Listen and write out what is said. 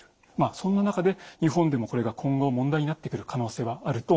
そんな中で日本でもこれが今後問題になってくる可能性はあると思います。